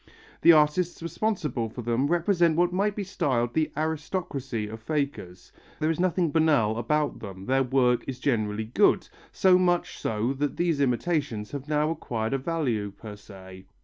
The artists responsible for them represent what might be styled the aristocracy of fakers; there is nothing banal about them, their work is generally good, so much so that these imitations have now acquired a value per se.